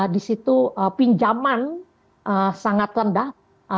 di situ pinjaman sangat rendah